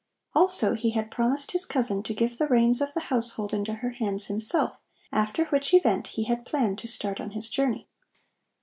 Also he had promised his cousin to give the reins of the household into her hands himself, after which event he had planned to start on his journey.